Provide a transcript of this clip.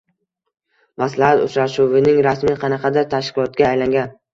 Maslahat uchrashuvining rasmiy qanaqadir tashkilotga aylangan